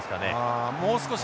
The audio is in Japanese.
あもう少し。